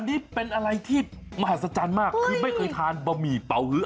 อันนี้เป็นอะไรที่มหัศจรรย์มากคือไม่เคยทานบะหมี่เป่าฮื้อ